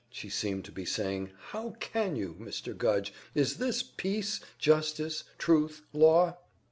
she seemed to be saying. "How can you? Mr. Gudge, is this Peace. .. justice. .. Truth. .. Law?"